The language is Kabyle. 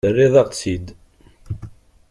Terriḍ-aɣ-tt-id.